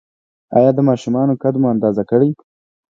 ایا د ماشومانو قد مو اندازه کړی؟